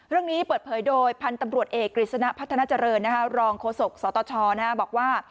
เรื่องนี้เปิดเผยโดยพันธุ์ตำรวจเอกกฤษณะพัฒนาเจริญรองโฆษกสตชบอกว่า